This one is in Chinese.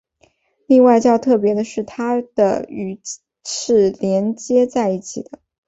另外较特别的是它的与是连接在一起的。